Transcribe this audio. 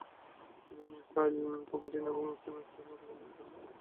তিনি Mikhail Pogodin এবং Sergei আক্সাকোভের মতো বন্ধুদের সাথে কাটান।